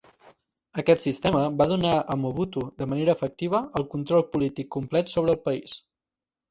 Aquest sistema va donar a Mobutu de manera efectiva el control polític complet sobre el país.